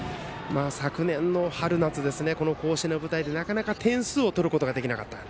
昨年の春夏甲子園の舞台でなかなか点数を取ることができなかった。